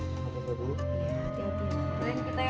kak bayu tunggu kak